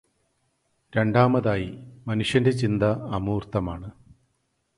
രണ്ടാമതായി, മനുഷ്യന്റെ ചിന്ത അമൂർതമാണ്.